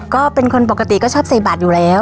ก็เป็นคนปกติก็ชอบใส่บัตรอยู่แล้ว